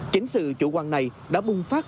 chính sự chủ quan này đã bùng phát